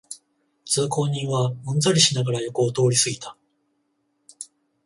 通行人はうんざりしながら横を通りすぎた